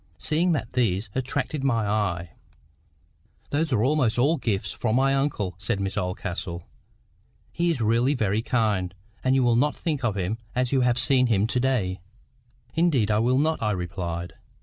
Seeing that these attracted my eye— "Those are almost all gifts from my uncle," said Miss Oldcastle. "He is really very kind, and you will not think of him as you have seen him to day ?" "Indeed I will not," I replied.